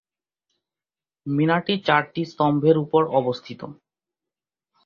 মিনারটি চারটি স্তম্ভের উপর অবস্থিত।